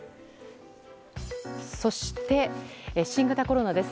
そして、新型コロナです。